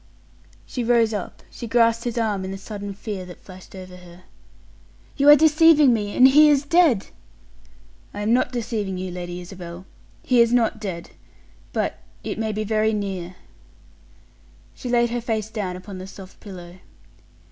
She rose up she grasped his arm in the sudden fear that flashed over her. "You are deceiving me, and he is dead!" "I am not deceiving you, Lady Isabel. He is not dead, but it may be very near." She laid her face down upon the soft pillow.